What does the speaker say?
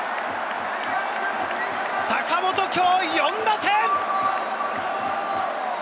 坂本、今日４打点！